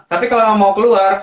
tapi kalau mau keluar